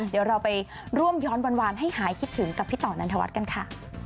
เดี๋ยวเราไปร่วมย้อนวานให้หายคิดถึงกับพี่ต่อนันทวัฒน์กันค่ะ